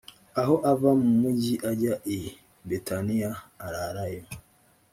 aho ava mu mugi ajya i betaniya ararayo